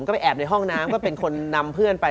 ก็ไปแอบในห้องน้ำก็เป็นคนนำเพื่อนไป